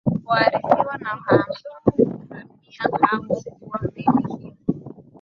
waarifiwa na maharamia hawo kuwa meli hiyo